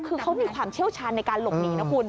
คือเขามีความเชี่ยวชาญในการหลบหนีนะคุณ